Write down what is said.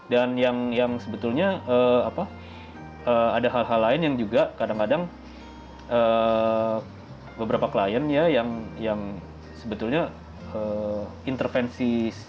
dan yang sebetulnya ada hal hal lain yang juga kadang kadang beberapa klien ya yang sebetulnya intervensi desainnya itu